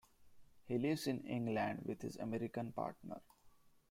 He lives in England with his American partner.